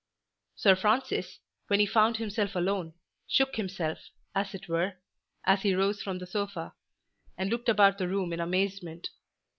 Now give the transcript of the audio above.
Sir Francis, when he found himself alone, shook himself, as it were, as he rose from the sofa, and looked about the room in amazement.